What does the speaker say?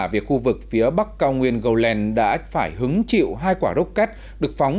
về khu vực phía bắc cao nguyên golan đã phải hứng chịu hai quả rocket được phóng